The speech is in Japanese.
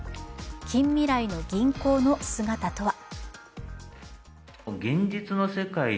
近未来の銀行の姿とは。